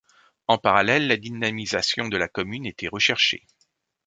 En parallèle, la dynamisation de la commune était recherchée.